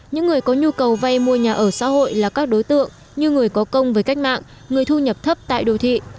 những người có nhu cầu vay mua nhà ở xã hội là các đối tượng như người có công với cách mạng người thu nhập thấp tại đô thị